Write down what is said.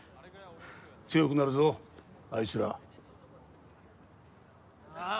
強くなるぞあいつらああ